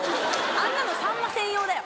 あんなのさんま専用だよ。